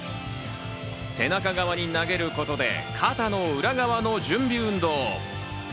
背中側に投げることで、肩の裏側の準備運動。